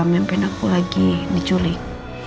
mimpin aku lagi diculik